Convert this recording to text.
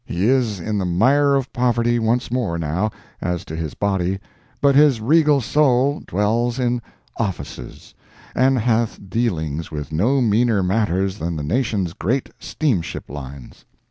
He is in the mire of poverty once more, now, as to his body, but his regal soul dwells in "offices," and hath dealings with no meaner matters than the nation's great steamship lines.